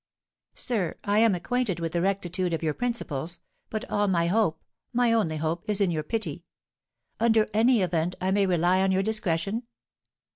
"Sir, I am acquainted with the rectitude of your principles; but all my hope my only hope is in your pity. Under any event, I may rely on your discretion?"